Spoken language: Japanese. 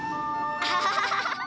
アハハハハ！